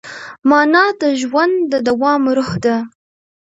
مانا د ژوند د دوام روح ده.